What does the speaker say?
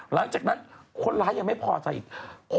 หลังจากนั้นคนร้ายยังไม่พอใจอีก